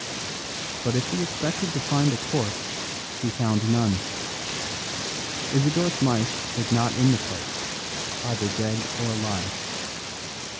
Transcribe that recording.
But if he expected to find a corpse he found none. Isidore Smythe was not in the place, either dead or alive.